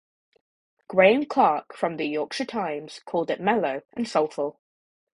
Graham Clark from "The Yorkshire Times" called it "mellow and soulful".